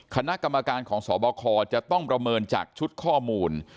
คณะกรรมการของสบคจะต้องประเมินจากชุดข้อมูล